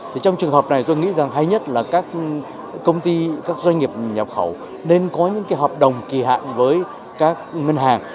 trong trường hợp này tôi nghĩ hay nhất là các công ty các doanh nghiệp nhập khẩu nên có những hợp đồng kỳ hạn với các ngân hàng